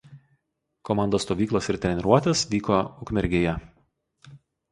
Komandos stovyklos ir treniruotės vyko Ukmergėje.